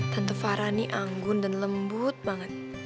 tante farah ini anggun dan lembut banget